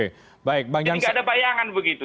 jadi nggak ada bayangan begitu